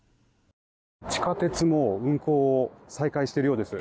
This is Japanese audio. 地下鉄も運行を再開しているようです。